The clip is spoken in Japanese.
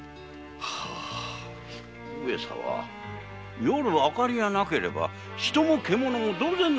上様夜に明かりがなければ人も獣同然の暮らし。